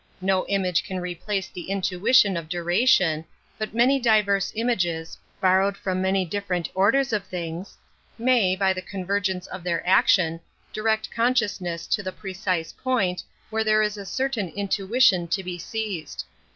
i>Io image can replace the intuition of dura tion, Tjut many diverse images, borrowed from very different orders of things, may, by the convergence of their action, direct, consciousness to the precise point where there is a certain intuition to be seized.